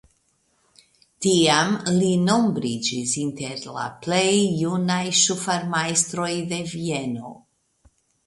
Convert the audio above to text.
Tiam li nombriĝis inter la plej junaj ŝufarmajstroj de Vieno.